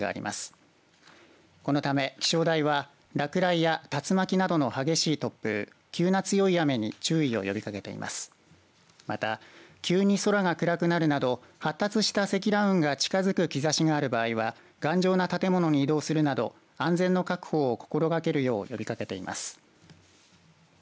また、急に空が暗くなるなど発達した積乱雲が近づく兆しがある場合は頑丈な建物に移動するなど安全の確保を心がけるよう呼びかけています。